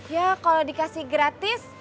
ya kalo dikasih gratis